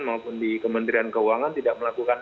maupun di kementerian keuangan tidak melakukan